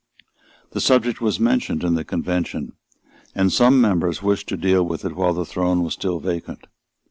The subject was mentioned in the Convention; and some members wished to deal with it while the throne was still vacant.